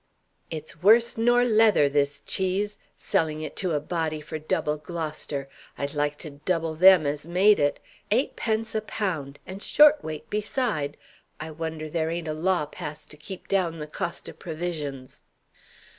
"It's worse nor leather, this cheese! Selling it to a body for double Gloucester! I'd like to double them as made it. Eight pence a pound! and short weight beside! I wonder there ain't a law passed to keep down the cost o' provisions!"